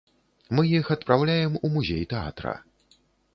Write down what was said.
Мы іх адпраўляем у музей тэатра.